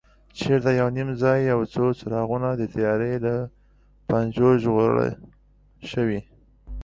چېرته یو نیم ځای یو څو څراغونه د تیارې له پنجو ژغورل شوي.